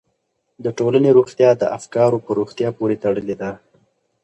د ټولنې روغتیا د افکارو په روغتیا پورې تړلې ده.